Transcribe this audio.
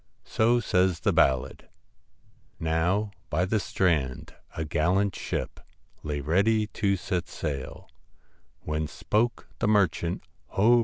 So says the ballad Now by the strand a gallant ship Lay ready to set sail, When spoke the merchant, ' Ho